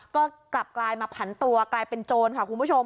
ก็กลับกลายมาผันตัวกลายเป็นโจรค่ะคุณผู้ชม